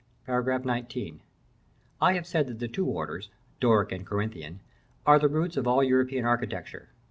§ XIX. I have said that the two orders, Doric and Corinthian, are the roots of all European architecture.